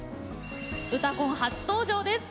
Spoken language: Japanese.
「うたコン」初登場です。